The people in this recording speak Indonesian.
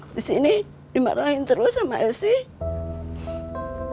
di sini dimarahin terus sama rc